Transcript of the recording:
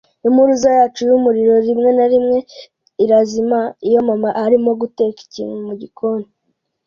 Impuruza yacu yumuriro rimwe na rimwe irazima iyo mama arimo guteka ikintu mugikoni.